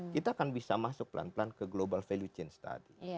kita akan bisa masuk pelan pelan ke global value chain tadi